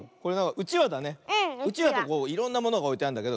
うちわといろんなものがおいてあんだけど。